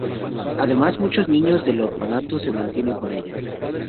Además, muchos niños del orfanato se meten con ella.